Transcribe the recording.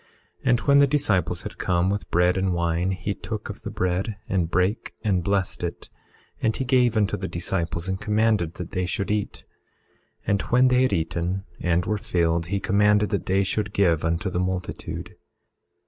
18:3 And when the disciples had come with bread and wine, he took of the bread and brake and blessed it; and he gave unto the disciples and commanded that they should eat. 18:4 And when they had eaten and were filled, he commanded that they should give unto the multitude.